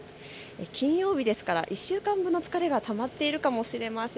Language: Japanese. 金曜日ですから１週間分の疲れがたまっているかもしれません。